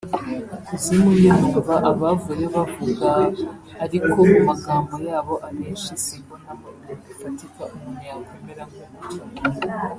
ikuzimu…njye numva abavuyeyo bavugaaaaa ariko mu magambo yabo abenshi simbonamo ibintu bifatika umuntu yakwemera nk’ukuri